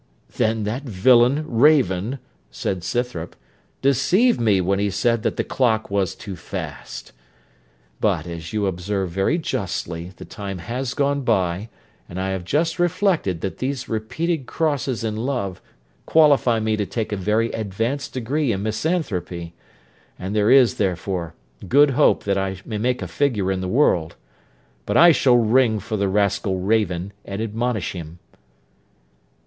'Then that villain, Raven,' said Scythrop, 'deceived me when he said that the clock was too fast; but, as you observe very justly, the time has gone by, and I have just reflected that these repeated crosses in love qualify me to take a very advanced degree in misanthropy; and there is, therefore, good hope that I may make a figure in the world. But I shall ring for the rascal Raven, and admonish him.'